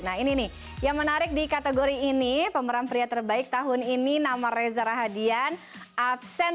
nah ini nih yang menarik di kategori ini pemeran pria terbaik tahun ini nama reza rahadian absen